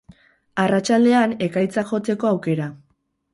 Arratsaldean, ekaitzak jotzeko aukera.